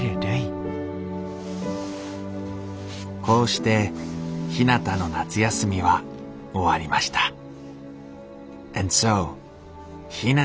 こうしてひなたの夏休みは終わりました。